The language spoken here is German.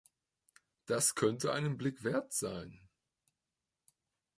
Das könnte einen Blick wert sein.